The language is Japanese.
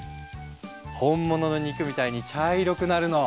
本物の肉みたいに茶色くなるの。